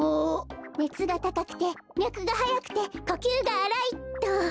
「ねつがたかくてみゃくがはやくてこきゅうがあらい」っと。